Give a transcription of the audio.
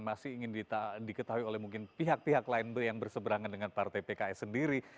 masih ingin diketahui oleh mungkin pihak pihak lain yang berseberangan dengan partai pks sendiri